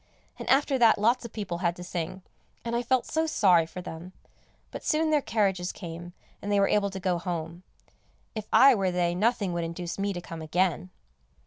And after that lots of people had to sing, and I felt so sorry for them; but soon their carriages came, and they were able to go home; if I were they nothing would induce me to come again.